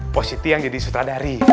pos siti yang jadi sutradari